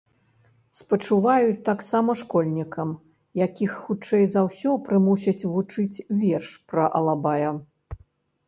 Спачуваюць таксама школьнікам, якіх, хутчэй за ўсё, прымусяць вучыць верш пра алабая.